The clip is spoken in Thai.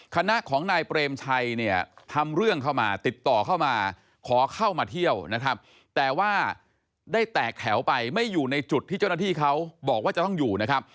คณะของนายเปรมชัยเนี่ยทำเรื่องเข้ามาติดต่อเข้ามาขอเข้ามาเที่ยวนะครับแต่ว่าได้แตกแถวไปไม่อยู่ในจุดที่เจ้าหน้าที่เขาบอกว่าจะต้องอยู่นะครับ